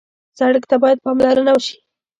سړک ته باید پاملرنه وشي.